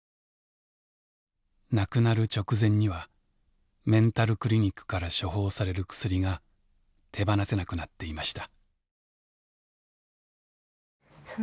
亡くなる直前にはメンタルクリニックから処方される薬が手放せなくなっていました。